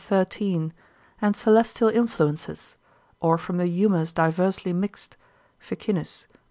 13, and celestial influences, or from the humours diversely mixed, Ficinus, lib.